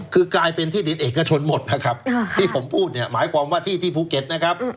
คือกลายเป็นที่ดินเอกชนหมดนะครับที่ผมพูดเนี่ยหมายความว่าที่ที่ภูเก็ตนะครับ